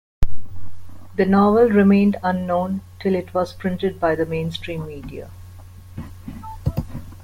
The novel remained unknown till it was printed by the mainstream media.